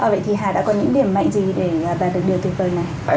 vậy thì hà đã có những điểm mạnh gì để đạt được điều tuyệt vời này